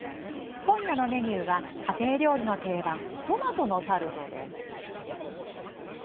今晩のメニューは家庭料理の定番トマトのタルトです。